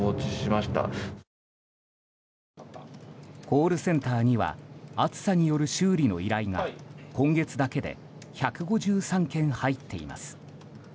コールセンターには暑さによる修理の依頼が今月だけで１５３件入っています。